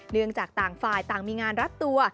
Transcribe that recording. เนื่องจากต่างฝ่ายต่างมีงานรัดตัว